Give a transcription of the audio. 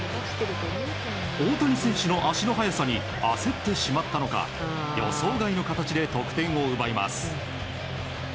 大谷選手の足の速さに焦ってしまったのか予想外の形で得点を奪います。